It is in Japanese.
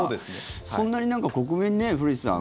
そんなに何か国民にね古市さん。